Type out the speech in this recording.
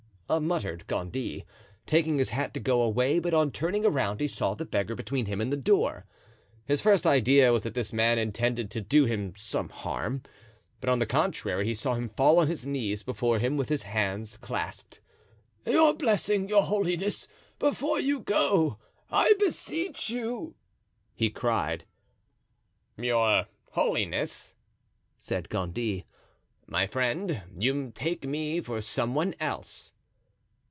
muttered Gondy, taking his hat to go away; but on turning around he saw the beggar between him and the door. His first idea was that this man intended to do him some harm, but on the contrary he saw him fall on his knees before him with his hands clasped. "Your blessing, your holiness, before you go, I beseech you!" he cried. "Your holiness!" said Gondy; "my friend, you take me for some one else."